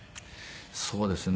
そうですね。